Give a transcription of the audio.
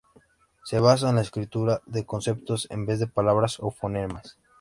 Se basa en la escritura de conceptos en vez de palabras o fonemas.